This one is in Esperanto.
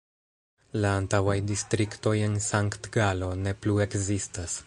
La antaŭaj distriktoj en Sankt-Galo ne plu ekzistas.